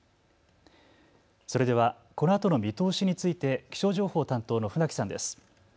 それではこのあとの見通しについて気象情報担当の船木さんです。